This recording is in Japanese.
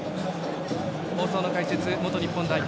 放送の解説元日本代表